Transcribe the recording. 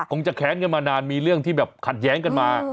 คงจะแค้นกันมานานมีเรื่องที่แบบขัดแย้งกันมา